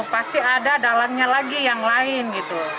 pasti ada dalangnya lagi yang lain gitu